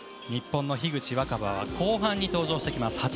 日本の樋口新葉は後半に登場します。